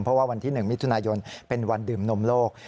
เพราะว่าวันที่๑มิถุนายนเป็นวันดื่มนมโลก